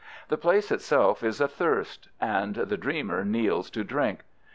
The place itself is athirst, and the dreamer kneels to drink.